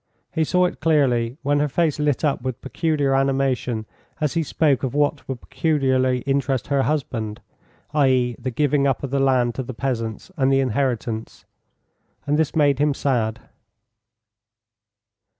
He saw it clearly when her face lit up with peculiar animation as he spoke of what would peculiarly interest her husband, i.e., the giving up of the land to the peasants and the inheritance. And this made him sad.